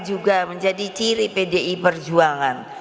juga menjadi ciri pdi perjuangan